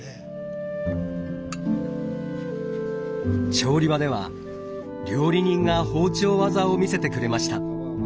調理場では料理人が包丁技を見せてくれました。